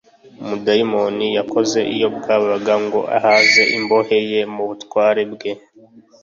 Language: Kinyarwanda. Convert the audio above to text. umudayimoni yakoze iyo bwabaga ngo aheze imbohe ye mu butware bwe